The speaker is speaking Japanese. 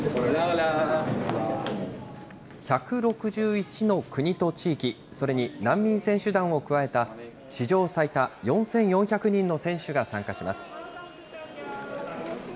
１６１の国と地域、それに難民選手団を加えた、史上最多４４００人の選手が参加します。